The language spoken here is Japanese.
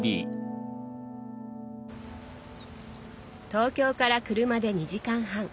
東京から車で２時間半。